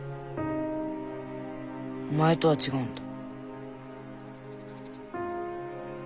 お前とは違うんだ。